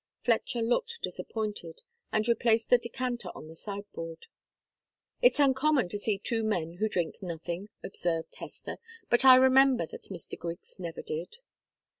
Fletcher looked disappointed, and replaced the decanter on the sideboard. "It's uncommon to see two men who drink nothing," observed Hester. "But I remember that Mr. Griggs never did."